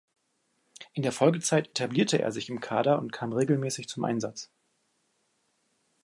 In der Folgezeit etablierte er sich im Kader und kam regelmäßig zum Einsatz.